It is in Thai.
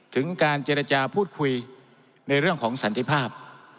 ถึงการเจรจาพูดคุยในเรื่องของสันติภาพ